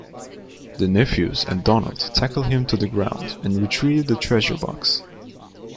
The nephews and Donald tackle him to the ground and retrieve the treasure box.